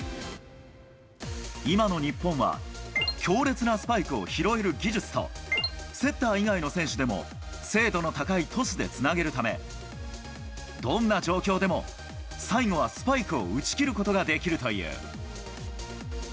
今の日本は、強烈なスパイクを拾える技術と、セッター以外の選手でも精度の高いトスでつなげるため、どんな状況でも最後はスパイクを打ち切ることができるという。